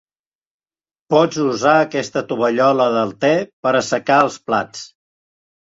Pots usar aquesta tovallola del te per assecar els plats.